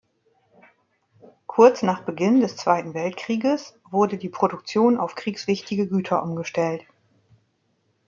Kurz nach Beginn des Zweiten Weltkrieges wurde die Produktion auf kriegswichtige Güter umgestellt.